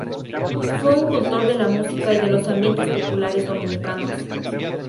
Fue un cultor de la música y de los ambientes populares dominicanos.